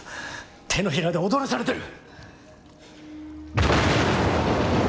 手のひらで踊らされてる！